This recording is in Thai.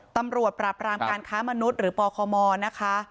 ตำรวจปราบรามการค้ามนุษย์หรือปคมนะคะ